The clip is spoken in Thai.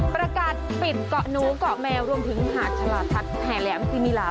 ประกาศปิดเกาะนูเกาะแมวรวมถึงหาดฉลาดพักแหลมกินีลา